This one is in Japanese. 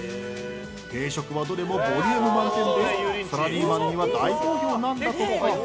定食はどれもボリューム満点でサラリーマンには大好評なんだとか。